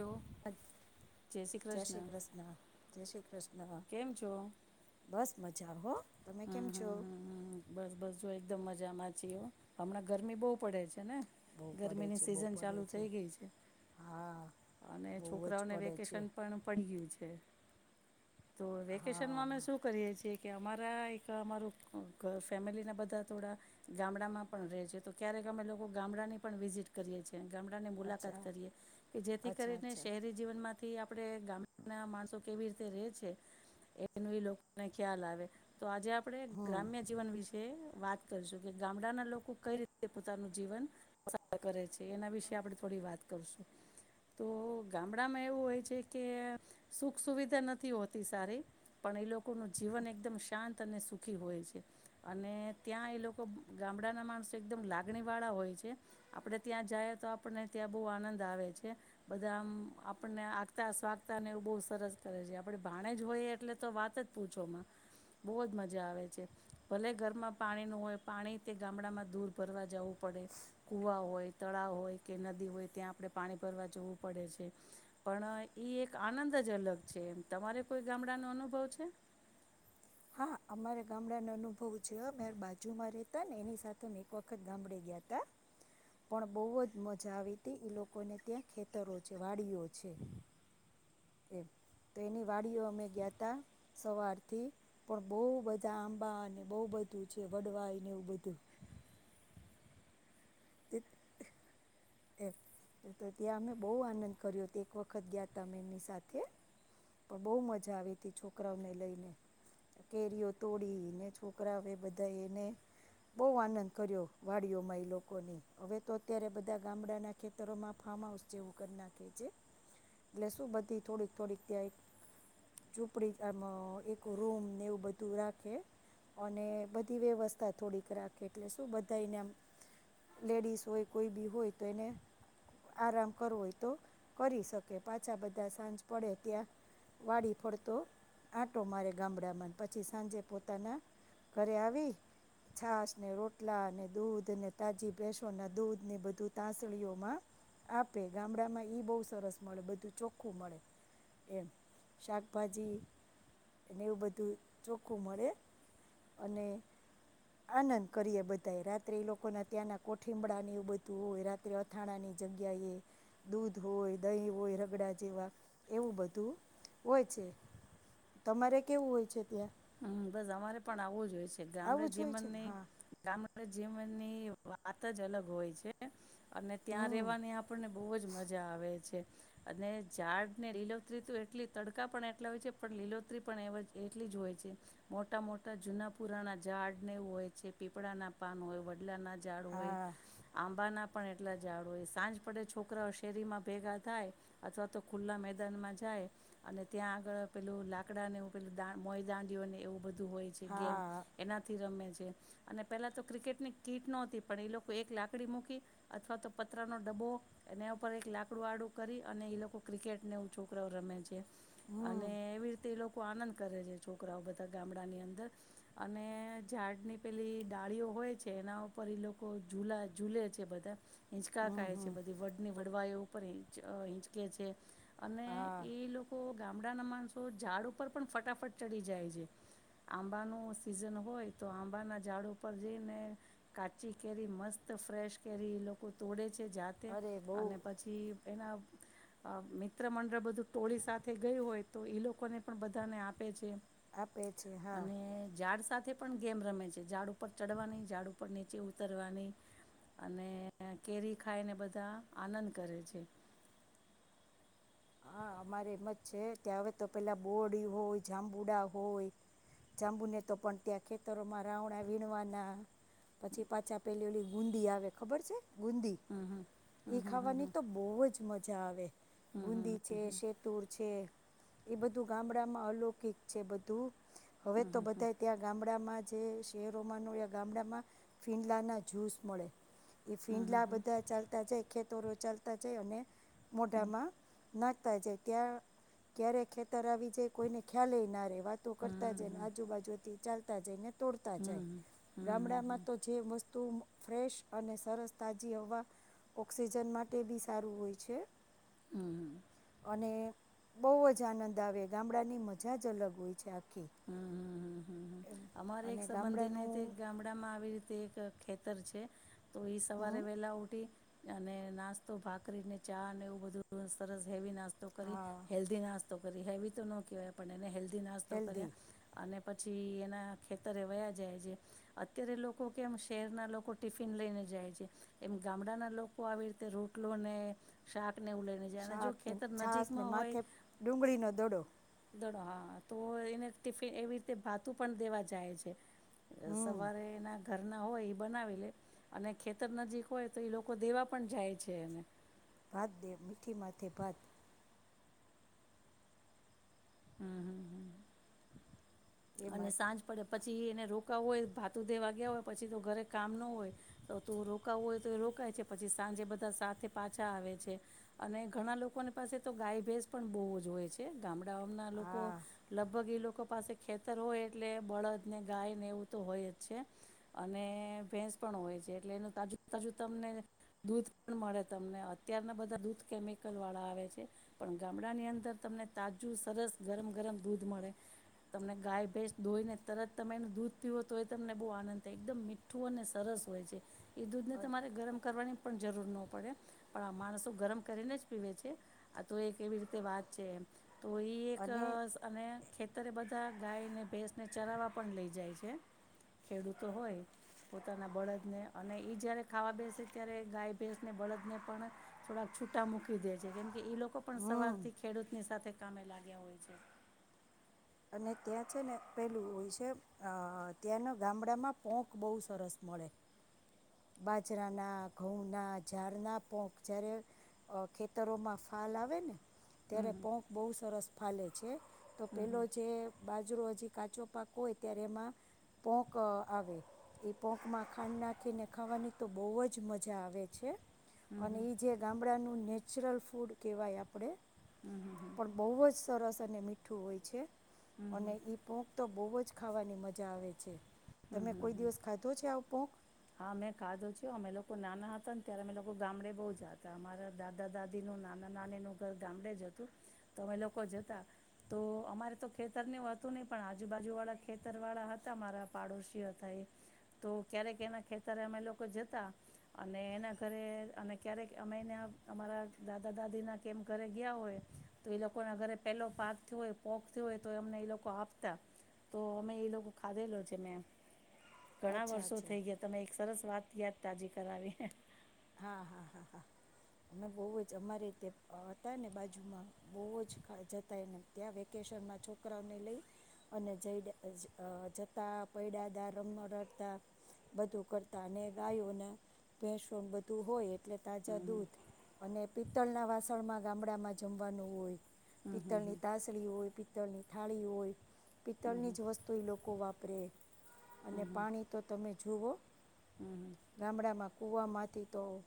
જો જય શ્રી કૃષ્ણ જય શ્રી કૃષ્. કષ્ન કેમ છો બસ મજા હો તમે કેમ હમ છો. હમ હમ હમ બસ બસ જો એકદમ મજામાંચી હમણા ગરમી બહુ પડે છે. ને બહુ પડે ગરમીની છે બહુ સિઝન પડે ચાલુ થઈ ગઈ છે હા અને બહુ જ છોકરાઓને પડે છે વેકેશન પણ પડી ગયું છે. તો વેકેશન હા માં અમે શું કરીએ છીએ કે અમારા એક અમારું ફેમિલીના બધા થોડા ગામડામાં પણ રહે છે તો ક્યારેક અમે લોકો ગામડાની પણ વિઝિટ કરીએ છીએ. ગામડાની મુલાકાત અચ્છા કરીએ કે જેથી અચ્છા કરીને અચ્છા શહેરી જીવનમાં થી આપણે ગામના માણસો કેવી રીતે રહે છે એનું લોકોને ખ્યાલ આવે. તો આજે આપડે હમ ગ્રામ્ય જીવન વિશે કે વાત કરીશું કે ગામડાના લોકો કઈ રીતે પોતાનું જીવન પસાર કરે છે એના વિશે આપણે થોડી વાત કરશું તો ગામડામાં એવું હોય છે કે સુખ સુવિધા નથી હોતી. અતિ સારી પણ એ લોકોનું જીવન એકદમ શાંત અને સુખી હોય છે અને ત્યાં એ લોકો ગામડાના માણસો એકદમ લાગણીવાળા હોય છે આપણે ત્યાં જઈએ તો આપણને ત્યાં બહુ આનંદ આવે છે બધા આપણને આગતા સ્વાગતાને એવું બહુ સરસ કરે છે આપણે ભાણે જ હોય એટલે તો વાત જ પૂછોમાં બહુ જ મજા આવે છે ભલે ઘરમાં પાણીનું હોય પાણી તે ગામડામાં દૂર ભરવા જવું પડે કુવા હોય તળાવ હોય કે નદી હોય ત્યાં આપણે પાણી ભરવા જવું પડે છે પણ એ એક આનંદ જ અલગ છે. તમારે કોઈ ગામડા નો અનુભવ છે. હા અમારે ગામડા ન અનુભવ છે બાજુમાં રતા ને એની સાથે મે એક વખત ગામડે ગયા તા પણ બહુ જ મજા આવી ત લોકોને ત્યાં ખેતરો છે વાડીઓ છે. પછી. એમ તો એની વાડીઓ અમે ગયા ત સવાર થી પણ બહુ બધા આંબા અને બહુ બધું છે વડવાયને એવું બધું. એ ત્યાં અમે બહ આનંદ કર્યો ત એક વખત ગયા ત એમની સાથે પણ બહ મજા આવી ત છોકરાઓને લઈને કેરીઓ તોડીને છોકરાઓ એ બધા એને બહ આનંદ કર્યો વાડીઓમાં એ લોકો. નહીં હવે તો અત્યારે બધા ગામડાના ખેતરોમાં ફાર્મ હાઉસ જેવું કરી નાખે છે એટલે શું બધી થોડીક થોડીક ત્યાં એક ઝૂંપડી આમ એક રૂમને એવું બધું રાખે અને બધી વ્યવસ્થા થોડીક રાખે એટલે શું બધાને આમ લેડીસ હોય કોઈ બી હોય તો એને આરામ કરવો હોય તો કરી શકે પાછા બધા સાંજ પડે ત્યાં વાડી ફરતો આંટો મારે ગામડામાં પછી સાંજે પોતાના ઘરે આવી છાસ ને રોટલા ને દૂધને તાજી ભેસોના દૂધ ને બધું તંાસળીઓમાં આપે ગામડામાં બહુ સરસ મળે બધું ચોખ્ખું મળે એમ શાકભાજીને એવું બધું ચોખ્ખું મળે અને આનંદ કરીએ બધાએ રાત્રે એ લોકોના ત્યાંના કોઠીબડાને એવું બધું હોય રાત્રે અથાણાની જગ્યાએ દૂધ હોય દહીં હોય રગડા જેવા એવું બધું હોય છે તમારે કેવું હોય છે ત્યાં. હમ બસ અમારે પણ આવવું જો હોઈએ. ગ્રામ આવું જ હોય છે જેીન ને નહી હા ગામ. આપ જીવનની વાત જ અલગ હોય છે. અને ત્યાં હમ રેવાની આપણને બહુ જ મજા આવે છે. અને ઝાડ ને લીલોત્રી તો એટલી તડકા પણ એટલા હોય છે પણ લીલોત્રી પણ એ એટલી જ હોય છે. મોટા મોટા જુના પુરાના ઝાડ ને હોય છે પીપળા ના પાન હોય વડલા ના જાડ હોય હા આંબા ના પણ એટલા જાડો હોય સાંજ પડે છોકરા શેરીમાં ભેગા થાય અથવા તો ખુલ્લા મેદાનમાં જાય અને ત્યાં આગળ પેલું લાકડાનેું પેલુ મોય દા... અને એવું બધું હોય છે ગેમ હા એનાથી રમે છે. અને પહેલા તો ક્રિકેટની કીટ નહોતી પણ એ લોકો એક લાકડી મૂકી અથવા તો પતરાનો ડબ્બો એના ઉપર એક લાકડું આડું કરી અને એ લોકો ક્રિકેટને એવું છોકરાઓ રમે છે. અને એવી રીતે લોક તો આનંદ કરે છે જો છોકરાઓ બધા ગામડા ની અંદર અને ઝાડની પેલી ડાળીઓ હોય છે એના ઉપર લોકો ઝૂલા ઝૂલે છે બધા. હીંચકા હમ કહે છે હમ બધી વડની. વડવાયો ઉપરંચ હિંચકે છે. અને હા એ લોકો. ગામડા ના માણસો ઝાડ ઉપર પણ ફટાફટ. ચડી જાય છે આંબાનું સિઝન હોય તો આંબાના ઝાડ ઉપ જઈને કાચી કેરી મસ્ત ફ્રેશ કેરી લોકો તોડે છે જાતે અરે બહુ અને પછી. એના મિત્ર મંડળ બધું ટોળી સાથે ગયું હોય તો એ લોકોને પણ બધાને આપ. પે છેમ. આપે છે હા અને ઝાડ સાથે. સાથે પણ ગેમ રમે છે ઝાડ ઉપર ચડવાની ઝાડુ ઉપર નીચે ઉતરવાની અને કેરી ખાયને બધા આનંદ કરે છે. હા અમારે એમ જ છે ત્યાં હવે તો પેલા બોડી હોય જાંબુડા હોય જાંબુને તો પણ ત્યાં ખેતરોમાં રાવણા વીણવાના. પછી પાછા પેલી હોલી ગુંદી આવે ખબર છે. ગુંદી એ ખાવાની તો બહ જ મજા આવે. ગુંદી છે સેતુર છે. એ બધું ગામડામાં અલૌકિક છે બધું. હવે તો બધા ત્યાં ગામડામાં. જે શેરોમાં ન ગામડામાં ફિલા ના જુસ મળે. એ ફીંડલા બધા ચાલતા જાય ખેતરો ચાલતા. ત્યા જઇ અને. મોટામાં. નાખતા જાય ત્યાં ક્યારે ખેતર આવી જાય કોઈને ખ્યાલય ના રહે. વાતો કરતા જ ને આજુબાજુથી ચાલ. જ. તોડતા જાય ગામડામાં તો જે વસ્તુ. ફ્રેશ અને સરસ તાજી હવા ઓક્સિજન માટે બી સારું હોય છે. હમ અને બહુ જ આનંદ આવે ગામડાની મજા જ અલગ હોય છે આખી. હમ હમ હમ એમ અમારે અને એક સંબંધી ને તે એક ગામડાનું ગામડા માં આવી રીતે એક ખેતર છે. તો એ સવારે હં વહેલા ઉઠી અને નાસ્તો ભાકરીને ચા ને એવું બધું સરસ હેવી નાસ્તો કરી, હા હેલ્ધી નાસ્તો કરી હેવી તો ન કહેવાય પણ એને હેલ્ ધી નાસ્તો કર્યા, હેલ્ધી અને પછી એના ખેતરે વયા જાય છે, અત્યારે લોકો કેમ શહેરના લોકો ટિફિન લઈને જાય છે, એમ ગામડાના લોકો આવી રીતે રોટલોને શાક છાસ છાસને હોય માથે ડુંગળીનો દડો દડો હા તો એને ટિફિન એવી રીતે ભાતું પણ દેવા જાય છે. એ હં સવારે એના ઘરના હોય બનાવી લે, અને ખેતર નજીક હોય તો એ લોકો દેવા પણ જાય છે, એને ભાત દે મીઠી માથે ભાત. હમ્મ, હમ્મ, હમ્મ, હમ્મ એ અને માટે સાંજ પડે પછી એને રોકાવું હોય ભાતુ દેવા ગ્યા હોય પછી તો ઘરે કામ ન હોય, તો તું રોકાવું હોય તો એ રોકાય છે પછી સાંજે બધા સાથે પાછા આવે છે, અને ઘણા લોકોની પાસે તો ગાય ભેસ પણ બહુ જ હોય છે, ગામ ડાના લોકો, હા લગભગ એ લોકો પાસે ખેતર હોય એટલે બળદ ને ગાય ને એવું તો હોય જ છે, અને ભેંસ પણ હોય છે એટલે એનું તાજું તાજું તમને દૂધ પણ મળે તમને અત્યારના બધા દૂધ કેમિકલ વાળા આવે છે, પણ ગામડાની અંદર તમને તાજું સરસ ગરમ ગરમ દૂધ મળે. તમને ગાય ભેસ દોઈને તરત તમે એનું દૂધ પીવો તો એ તમને બહુ આનંદ થાય એકદમ મીઠું અને સરસ હોય છે. એ દૂધને અન તમારે ગરમ કરવાની પણ જરૂર ન પડે, પણ આ માણસો ગરમ કરીને જ પીવે છે, આ તો એક એવી રીતે વાત છે. તો ઇ એક અને અને ખેતરે બધ ગાયને ભેસને ચરાવા પણ લઈ જાય છે, ખેડૂતો હોય પોતાના બળદને અને ઈ જયારે ખાવા બેસે ત્યારે ગાય ભેસ ને બળદ ને પણ થોડાક, છૂટા મૂકી દે છે કેમ કે લોકો પણ હં સવારથી ખેડૂતની સાથે કામે લાગ્યા હોય છે. અને ત્યાં છે ને પેલું હોય છે અ ત્યાંનો ગામડામાં પોંખ બહુ સરસ મળે. બાજરા ના ઘઉં ના ઝાડના પોંખ જયારે, ખેતરોમાં ફાલ આવે ને ત્યારે પોંખ બહુ સરસ ફાલે છે. તો પેલો જે બાજરો હજી કાચો પાક હોય ત્યારે એમાં, પોંક આવે, એ પોંકમાં ખાંડ નાખીને ખાવાની તો બહુ જ મજા આવે છે. અને ઈ જે ગામડાનું ને નેચરલ ફૂડ કહેવાય આપણે હમ હમ હમ પણ બહ જ સરસ તને મીઠું હોય છે. હમ અને ઈપોખ તો બહુ જ ખાવાની મજા આવે છે. હમ તમે કોઈ દિવસ ખાધો છે આવ પોખ? હા મેં ખાધો છ અમે લોકો નાના હતા ને ત્યારે અમે લોકો ગામડે બહુ જ હતા અમારા દાદા દાદીનું નાના નાની ન ઘર ગામડે જ હતું તો અમે લોકો જતા તો અમારે તો ખેતરને હતું નહ પણ આજુબાજુ વાળા ખેતર વાળા હતા મારા પાડોશીઓ થાય તો ક્યારેક એના ખેતરે અમે એ લોકો જતા અને એના ઘરે અને ક્યારેક અમે એને અમારા દાદા દાદીના કેમ ઘરે ગયા હોય તો એ લોકોના ઘરે પહેલો પાાર્ક થયો હોય પોક થયો હોય તો અમને એ લોકો આપતા તો અમે એ લોકો ખાધેલો તને ઘણા અચ્છા વર્ષો અચ્છા થઈ ગયા. તમે એક સરસ વાત યાદ તાજી કરાવીને હા હા હા હા અમે બહ જ અમારીતે હતા. ને બાજુમાં બહ જ જતાને ત્યાં, વેકેશનમાં છોકરાઓને લઈ અને જઈ જતા પૈડાદા રમ રડતા બધું કરતા અને ગાયું ભેસુ ધું હોય. એટલે તાજા હમ દૂધ અને પિત્તળના વાસણમાં ગામડામાં જમવાનું હોય. હમ પિતળની હમ તાસલી હોય પ પિતળની થાળી હોય. હમ પિત્તળની હમ જ વસ્તુ એ લોકો વાપરે. સ્પ્રે હમ હમ અને પાણી તો તમે જુઓ હમ હમ ગામડામાં કૂવામાંથી તો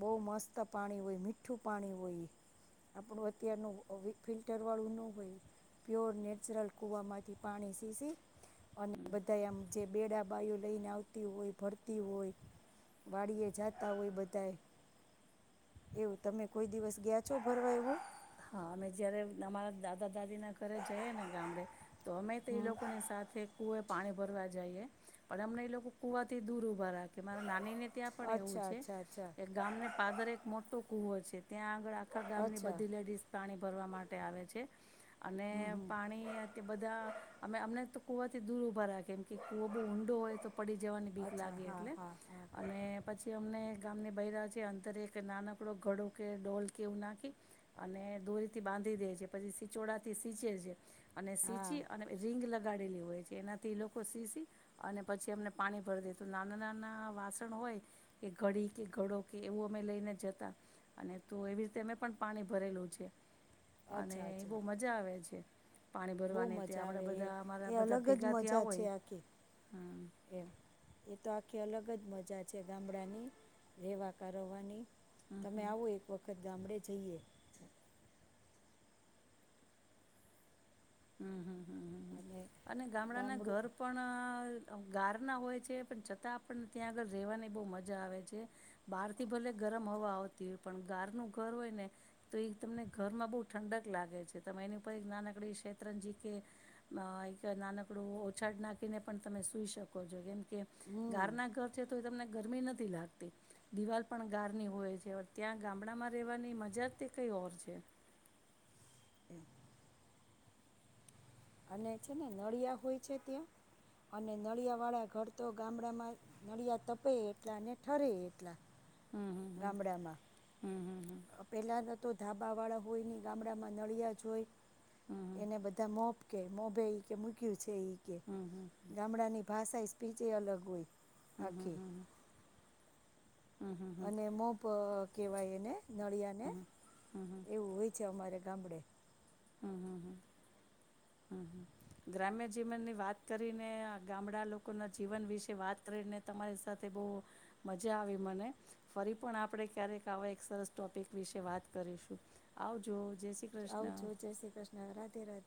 બહુ મસ્ત પાણી હોય, મીઠું પાણી હોય આપણું અત્યારનું ફિલ્ટરવાળું ન હોય પ્યોર નેચરલ કૂવામાંથી પાણી સીસી અનબદયમ જે બેડા બાયો લઈને આવતી હોય, ભરતી હોય, વાડીએ જાત. હોય બધા એવું તમે કોઈ દિવસ ગયા છો. ભરવા એવું. હા, અમે જયારે અમારા દાદા દાદી ના ઘરે જઈએ, ને ગામડે તો અમે તો એ હમ લોકોની સાથે કુએ પાણી ભરવા જઈએ, પણ એમને એ લોકો કુવાથી દૂરઊભા રહે. મારા નાનીને ત્યાં પણ એવું અચ્છા છે, અચ્છા અચ્છા કે ગામને પા--દર એક મોટું કુવો છે, ત્યાં આગળ આખા ગામની અચ્છા બધા પંચાત કરે છે. લેડીઝ પાણી ભરવા માટે આવે છે. હમ અને હમ પાણી અ બધા અમે અમને તો કુવા થી દૂર ઉભા રાખે કેમ કે, કુવો બહુ ઊંડો હોય તો. પડી જવાની બીક અચ્છા લાગે. હા એટલે હા હા અને પછી, અમને ગામને બ રહ્યા છે. અંદર એક નાનકડો ઘડો કે ડોલ કે, એવું નાખી અને દોરીથી બાંધી દે છે. પછી, સિચોડાથી સીચે છે. અને હા સિંચી અને રિંગ લ લગાડેલી હોય છે. એનાથી લોકો શીસી અને પછી, અમને પાણી ભરીદે તો નાના નાના વાસણ હોય એ ઘડી કે ઘડો કે એવું અમે લઈને જતા, અને તો એવી રીતે અમે પણ પાણી ભર ભરેલું છે. અને એ બહ મજા આવે છે. પાણી બહ ભરવાની તે મજા આપણે આવે એ બધા એ અમારા બધા અલગ જ ભેગા થયા મજા છે. હોય આખી હમ એમ એ તો આ આખી અલગ જ મજા છે. ગામડાની રહેેવા કરવાની. તમે આવો એક વખત ગામડે જઈએ. હમ્મ, હમ્મ. હ, હ, અને ગામડાના ગામડું ઘર પણ ગારના હોય છે. પણ છતાં, આપણને ત્યાં આગળ રહેવાની બહુ મજા આવે છે બહારથી ભલે ગરમ હવા આવતી હોય, પણ ગારનું ઘર હોય ને તો એ તમને ઘરમાં બહુ ઠંડક લાગે છે. તમે એની ઉપર એક નાનકડી શે. રંજી કે એક નાનકડું ઓછાળ નાખીને પણ તમે સૂઈ શકો છો કેમ કે, કે હમ ગાર ના ઘર છે. તમને ગરમી નથી લાગતી દિવાલ પણ ગારની હોય છે ત્યાં ગામડામાં રહેવાની મજા તે કઈ ઓર છે. અને છે ને નળિયા હોય છે ત્યાં અને નળિયા વાળા ઘર તો ગામડામાં નળિયા તપે એટલા અને ઠરે એટલા. હમ હમ હમ ગામડામાં. હમ હમ હમ પેલા ના તો ધાબા વાળા હોય ને ગામડામાં નળિયા જ હોય. હમ હમ એને બધા મોપ. મોભે કે મૂક્યું છે. છે એ કે ગામડા ની ભાષા. પી જે અલગ હોય. હમ આખી હમ હ. અને મોપ. કહેવાય એને નળિયાને એવું હોય છે અમારે ગામડે. ગ્રામ્ય જીવનની વાત કરીને ગામડા લોકોના જીવન વિશે વાત કરીને તમારી સાથે બહુ મજા આવી મને ફરી પણ આપણે ક્યારેક આવા એક સરસ ટોપિક વિશે વાત કરીશું આવજો. જય શ્રી આવજો કૃષ્ણ જય શ્રી કૃષ્ણ રાધે રાધે.